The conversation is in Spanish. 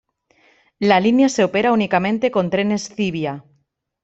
La línea se opera únicamente con trenes Civia.